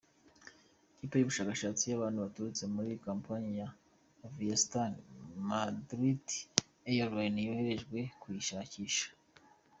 Ikipe y’ubushakashatsi y’abantu baturutse muri kompanyi ya Aviastar Mandiri airline yoherejwe kuyishakisha .